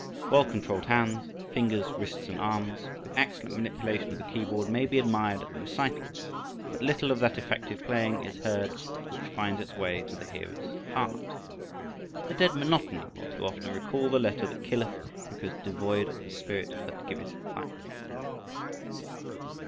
Well controlled hands, fingers, wrists and arms, with excellent manipulation of the keyboard, may be admired at the recital, but little of that effective playing is heard which finds its way to the hearer's heart. A dead monotony will too often recall the letter that killeth because devoid of the spirit that giveth life.